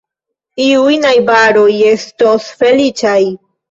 Iuj najbaroj estos feliĉaj.